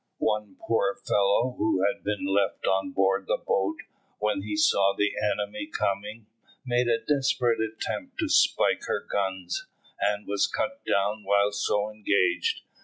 One poor fellow, who had been left on board the boat, when he saw the enemy coming, made a desperate attempt to spike her guns, and was cut down while so engaged.